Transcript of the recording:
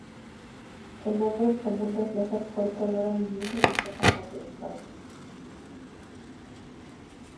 El nombre común refleja el fuerte olor a limón de las hojas aplastadas.